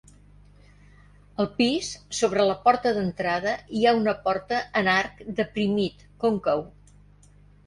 Al pis, sobre la porta d'entrada, hi ha una porta en arc deprimit còncau.